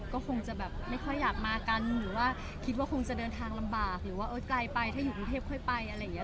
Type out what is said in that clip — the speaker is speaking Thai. ก็คงจะแบบไม่ค่อยอยากมากันหรือว่าคิดว่าคงจะเดินทางลำบากหรือว่าไกลไปถ้าอยู่กรุงเทพค่อยไปอะไรอย่างนี้